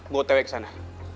gua tewek ke sana